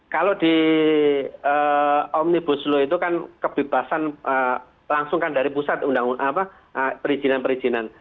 kalau di omnibus law itu kan kebebasan langsung kan dari pusat perizinan perizinan